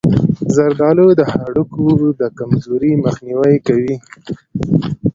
زردآلو د هډوکو د کمزورۍ مخنیوی کوي.